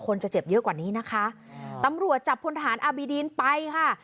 จะเจ็บเยอะกว่านี้นะคะตำรวจจับพลฐานอาบีดีนไปค่ะ